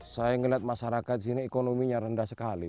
saya melihat masyarakat sini ekonominya rendah sekali